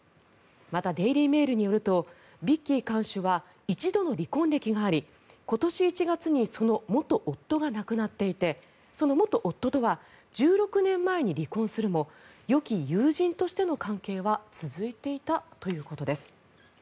また、デイリー・メールによるとビッキー看守は１度の離婚歴があり今年１月にその元夫が亡くなっていてその元夫とは１６年前に離婚するもよき友人としての関係は続いていたということです。